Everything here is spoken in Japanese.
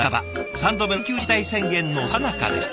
３度目の緊急事態宣言のさなかでした。